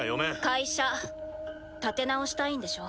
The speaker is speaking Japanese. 会社立て直したいんでしょ？